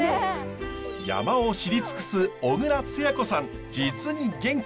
山を知り尽くす小椋つや子さん実に元気。